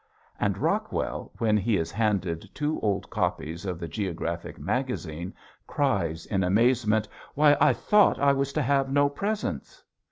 And Rockwell, when he is handed two old copies of the "Geographic Magazine" cries in amazement, "Why I thought I was to have no presents!"